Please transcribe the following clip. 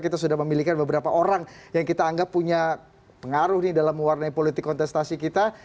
kita sudah memiliki beberapa orang yang kita anggap punya pengaruh dalam mewarnai politik kontestasi kita